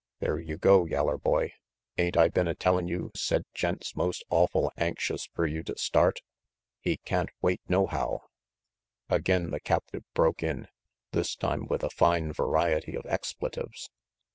"There you go, yeller boy, ain't I been a tellin' you said gent's most awful anxious fer you to start? He can't wait nohow ' Again the captive broke in, this time with a fine variety of expletives.